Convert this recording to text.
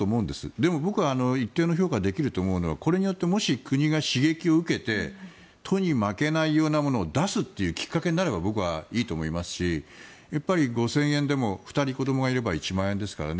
でも、僕は一定の評価ができると思うのはこれによってもし、国が刺激を受けて都に負けないようなものを出すというきっかけになれば僕はいいと思いますしやっぱり、５０００円でも２人子どもがいれば１万円ですからね。